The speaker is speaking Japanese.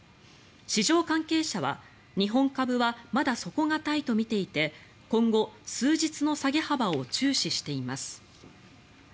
市場関係者は日本株はまだ底堅いと見ていて今後、数日の下げ幅を注視しています。